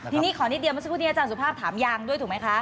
ทีนี้ขอนิดเดียวเมื่อสักครู่นี้อาจารย์สุภาพถามยางด้วยถูกไหมคะ